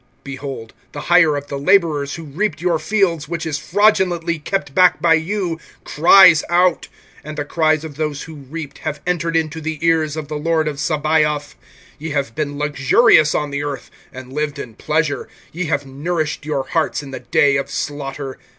(4)Behold, the hire of the laborers who reaped your fields, which is fraudulently kept back by you, cries out; and the cries of those who reaped have entered into the ears of the Lord of Sabaoth[5:4]. (5)Ye have been luxurious on the earth, and lived in pleasure; ye have nourished your hearts, in the day of slaughter.